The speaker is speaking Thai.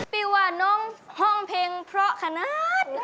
พี่ว่าน้องห้องเพลงเพราะขนาด